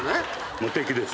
無敵です！